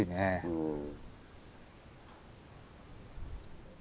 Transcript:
うん。